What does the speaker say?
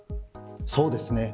そうですね。